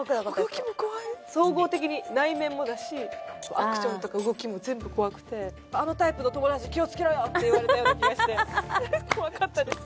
動きも怖い総合的に内面もだしアクションとか動きも全部怖くてあのタイプの友達気をつけろよって言われたような気がして怖かったです